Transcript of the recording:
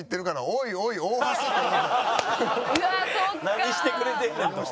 何してくれてんねんと。